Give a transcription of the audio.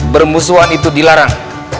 bermusuhan itu dilarang